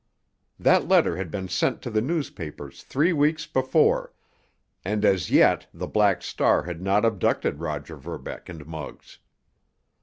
That letter had been sent to the newspapers three weeks before, and as yet the Black Star had not abducted Roger Verbeck and Muggs.